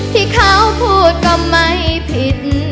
ที่เขาพูดก็ไม่ผิด